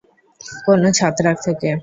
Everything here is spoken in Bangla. কোনো ছত্রাক থেকে।